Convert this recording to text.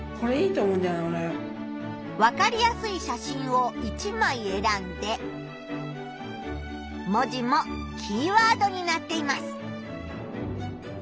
わかりやすい写真を１まいえらんで文字もキーワードになっています。